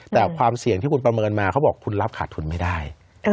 แต่ความเสี่ยงที่คุณประเมินมาเขาบอกคุณรับขาดทุนไม่ได้